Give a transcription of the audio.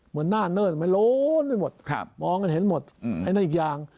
เหมือนหน้าเนิ่นมันโล้นไปหมดมองกันเห็นหมดไอ้นั่นอีกอย่าง